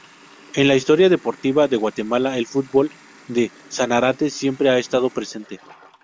En la historia deportiva de Guatemala el fútbol de Sanarate siempre ha estado presente.